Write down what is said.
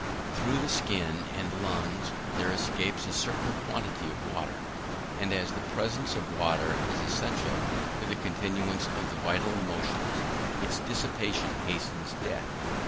Through the skin and lungs there escapes a certain quantity of water, and as the presence of water is essential to the continuance of the vital motions, its dissipation hastens death.